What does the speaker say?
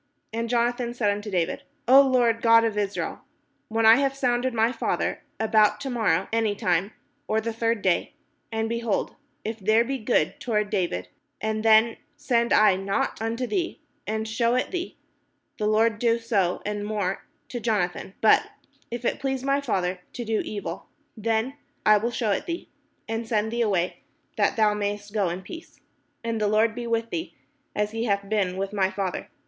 And Jonathan said unto David: "O Lord God of Israel, when I have sounded my father about to morrow any time, or the third day, and, behold, if there be good toward David, and then send I not unto thee, and shew it thee; the Lord do so and much more to Jonathan: but if it please my father to do thee evil, then I will shew 556 THE SHEPHERD BOY WHO BECAME KING it thee, and send thee away, that thou mayest go in peace: and the Lord be with thee, as he hath been with my father.